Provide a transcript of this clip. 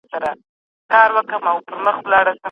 د بېړنيو فشارونو پر وړاندې ټينګ پاتې شو.